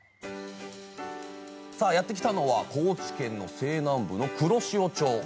やって来たのは高知県の西南部の黒潮町。